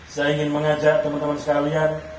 saya ingin mengajak teman teman sekalian